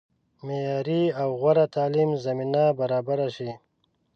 معیاري او غوره تعلیم زمینه برابره شي.